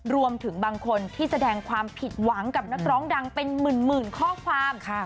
รวมถึงบางคนที่แสดงความผิดหวังกับนักร้องดังเป็นหมื่นข้อความ